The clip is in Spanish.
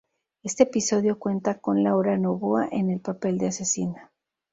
Este episodio cuenta con Laura Novoa, en el papel de asesina.